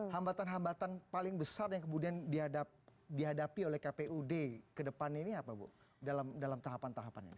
hambatan hambatan paling besar yang kemudian dihadapi oleh kpud ke depan ini apa bu dalam tahapan tahapannya